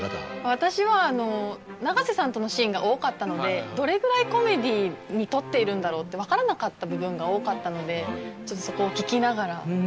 私は永瀬さんとのシーンが多かったのでどれぐらいコメディーに撮っているんだろうって分からなかった部分が多かったのでちょっとそこを聞きながら。